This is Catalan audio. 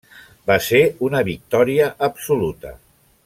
Va ser una victòria absoluta.